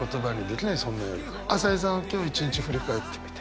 朝井さんは今日一日振り返ってみて。